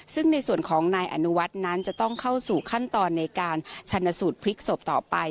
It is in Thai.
ซึ่งในส่วนของนายอนุวัฒน์นั้นจะต้องเข้าสู่ขั้นตอนในการชันสูตรพลิกศพต่อไป